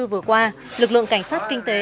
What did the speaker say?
vừa qua lực lượng cảnh sát kinh tế